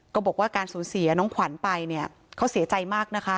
ก็บอกว่าการสูญเสียน้องขวัญไปเนี่ยเขาเสียใจมากนะคะ